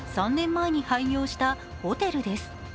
３年前に廃業したホテルです。